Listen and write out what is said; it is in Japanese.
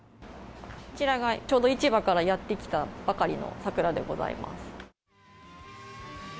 こちらがちょうど市場からやって来たばかりの桜でございます。